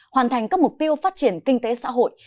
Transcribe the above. hoàn thành các mục tiêu phát triển kinh tế xã hội